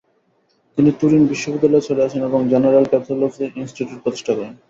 তিনি তুরিন বিশ্ববিদ্যালয়ে চলে আসেন এবং জেনারেল প্যাথলজি ইনস্টিটিউট প্রতিষ্ঠা করেন।